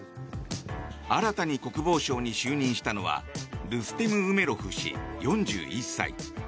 新たに国防相に就任したのはルステム・ウメロフ氏、４１歳。